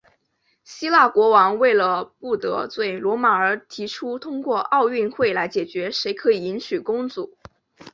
希腊国王为了不得罪罗马而提出通过奥运会来决定谁可以迎娶公主。